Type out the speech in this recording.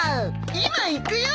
今行くよ！